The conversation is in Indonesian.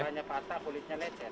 palanya patah kulitnya lecet